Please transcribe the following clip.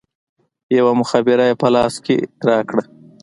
يوه مخابره يې په لاس راکړه.